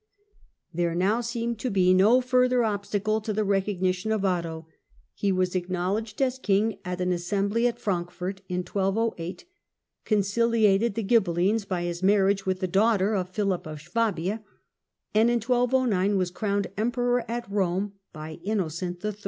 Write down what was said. There now seemed Philip of to be no further obstacle to the recognition of Otto. He iJo8 ' was acknowledged as king at an assembly at Frankfurt in 1208, conciliated the Ghibelines by his marriage with the daughter of Philip of Swabia, and in 1209 was crowned ^3^^!^^ Emperor at Kome by Innocent III.